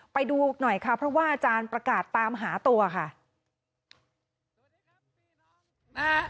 ไปดูหน่อยค่ะเพราะว่าอาจารย์ประกาศตามหาตัวค่ะ